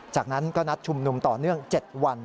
จากนั้นก็นัดชุมนุมต่อเนื่อง๗วัน